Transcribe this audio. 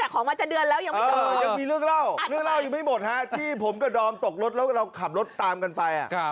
คองประจาเดือนแล้วยังเรียกแล้วเลยไม่หมดตัวที่ผมเดินตกรถแล้วคำรถตามกันไปอ่ะ